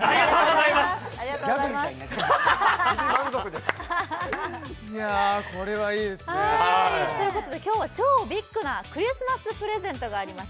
いやあこれはいいですねということで今日は超ビッグなクリスマスプレゼントがあります